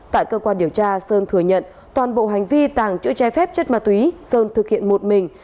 tại cơ quan điều tra sơn thừa nhận toàn bộ hành vi tàng trữ chai phép chất ma túy sơn thực hiện một mình